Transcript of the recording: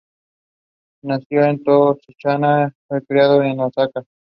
Nacido en Tokushima fue criado en Osaka.